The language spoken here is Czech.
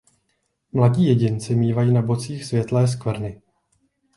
Mladí jedinci mívají na bocích světlé skvrny.